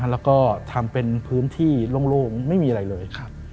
แล้วก็ทำเป็นพื้นที่โล่งไม่มีอะไรเลยครับ